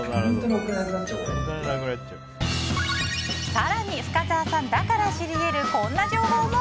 更に、深澤さんだから知り得るこんな情報も。